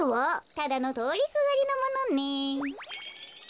ただのとおりすがりのものね。